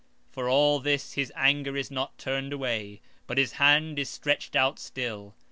For all this his anger is not turned away, but his hand is stretched out still.